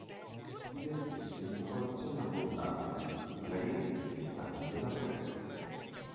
Vive spesso in popolazioni abbondanti in laghetti e stagni della foresta.